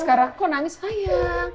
kamu sendirian ya